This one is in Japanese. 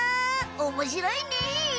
おもしろいね！